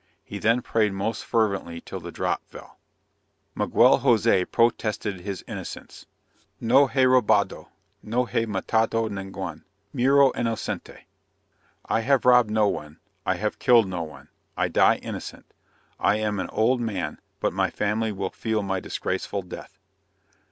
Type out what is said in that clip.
He then prayed most fervently till the drop fell. Miguel Jose protested his innocence. "No he robado, no he matado ningune, muero innocente." (I have robbed no one, I have killed no one, I die innocent. I am an old man, but my family will feel my disgraceful death.)